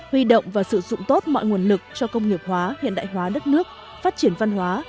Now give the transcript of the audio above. huy động và sử dụng tốt mọi nguồn lực cho công nghiệp hóa hiện đại hóa đất nước phát triển văn hóa